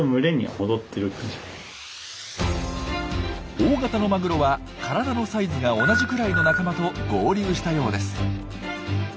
大型のマグロは体のサイズが同じくらいの仲間と合流したようです。